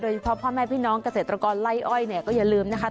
เฉพาะพ่อแม่พี่น้องเกษตรกรไล่อ้อยเนี่ยก็อย่าลืมนะคะ